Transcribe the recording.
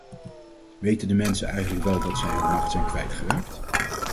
Weten de mensen eigenlijk wel dat zij hun macht zijn kwijtgeraakt?